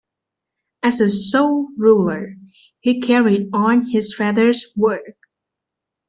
As a "sole ruler" he carried on his father's work.